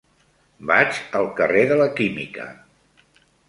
Vaig al carrer de la Química.